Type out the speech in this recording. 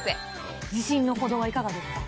自信のほどはいかがですか？